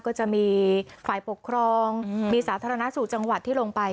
ก็จะมีฝ่ายปกครองมีสาธารณสุขจังหวัดที่ลงไป